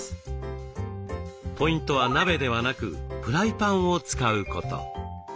ポイントは鍋ではなくフライパンを使うこと。